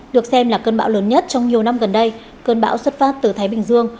được xem là cơn bão lớn nhất trong nhiều năm gần đây cơn bão xuất phát từ thái bình dương